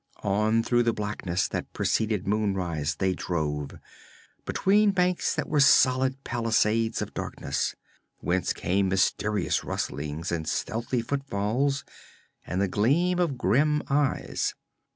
On through the blackness that preceded moonrise they drove, between banks that were solid palisades of darkness, whence came mysterious rustlings and stealthy footfalls, and the gleam of grim eyes.